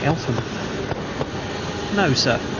Eltham. "No, sir!"